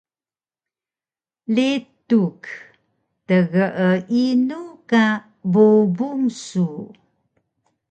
Lituk: Tgeinu ka bubung su?